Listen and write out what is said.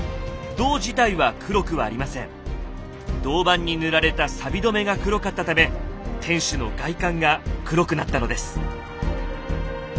銅板に塗られたさび止めが黒かったため天守の外観が黒くなったのです。